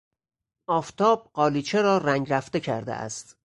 آفتاب قالیچه را رنگ رفته کرده است.